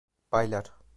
Baylar.